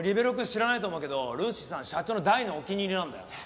知らないと思うけどルーシーさん社長の大のお気に入りなんだよね。